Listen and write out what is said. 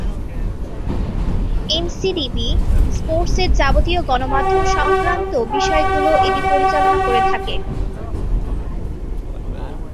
NBC স্পোর্টসের যাবতীয় গণমাধ্যম সংক্রান্ত বিষয়গুলো এটি পরিচালনা করে থাকে।